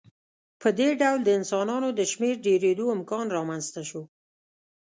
په دې ډول د انسانانو د شمېر ډېرېدو امکان رامنځته شو.